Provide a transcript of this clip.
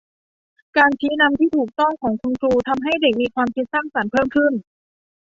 การชี้นำที่ถูกต้องของคุณครูทำให้เด็กมีความคิดสร้างสรรค์เพิ่มขึ้น